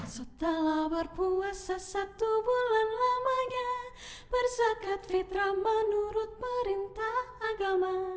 setelah berpuasa satu bulan lamanya berzakat fitrah menurut perintah agama